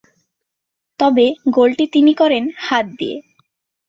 তবে গোলটি তিনি করেন হাত দিয়ে।